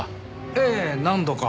ええ何度か。